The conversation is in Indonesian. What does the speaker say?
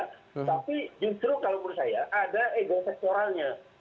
tapi justru kalau menurut saya ada egoseksoralnya